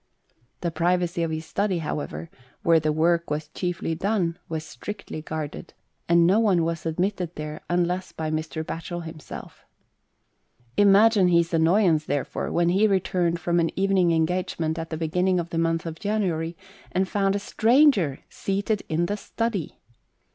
The privacy of his study, however, where the work was chiefly done, was strictly guarded, and no one was admitted there unless by Mr. Batchel himself. 86 LUBEIETTA. Imagine his annoyance, therefore, when he returned from an evening engagement at the beginning of the month of January, and found a stranger seated in the study!